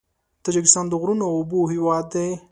تاجکستان د غرونو او اوبو هېواد دی.